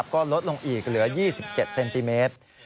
ก็ลดลงอีกเหลือ๒๗เซนติเมตร